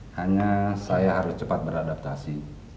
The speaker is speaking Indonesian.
hanya saya harus cepat beradaptasi